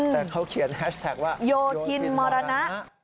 แต่เขาเขียนแฮชแท็กว่าโยธินมรณะ